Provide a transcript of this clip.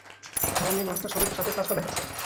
ভবানী, ওই মাস্টার সবাইকে সাপের পাঁচ পা দেখাচ্ছে।